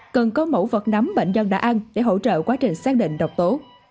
cần có mẫu vật nắm bệnh nhân đã ăn để hỗ trợ quá trình xác định độc tố